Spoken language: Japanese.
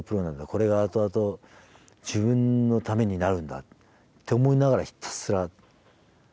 これがあとあと自分のためになるんだって思いながらひたすら走ってましたね。